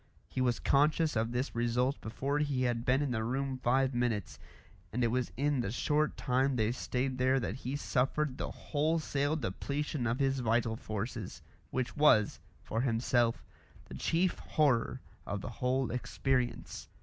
He was conscious of this result before he had been in the room five minutes, and it was in the short time they stayed there that he suffered the wholesale depletion of his vital forces, which was, for himself, the chief horror of the whole experience.